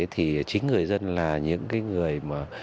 thì chính người dân là những cái người mà